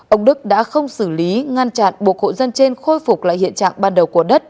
ông đức đã không xử lý ngăn chặn buộc hộ dân trên khôi phục lại hiện trạng ban đầu của đất